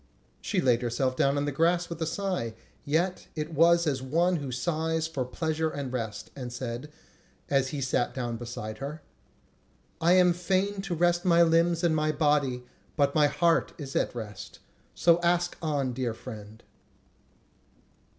She laid herself down on the grass with a sigh, yet it was as of one who sighs for pleasure and rest, and said, as he sat down beside her: "I am fain to rest my limbs and my body, but my heart is at rest; so ask on, dear friend."